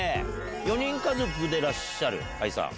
４人家族でらっしゃるＡＩさん。